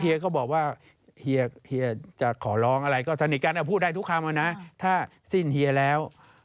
ก็บอกว่าเฮียจะขอร้องอะไรก็สนิทกันพูดได้ทุกคำนะถ้าสิ้นเฮียแล้ว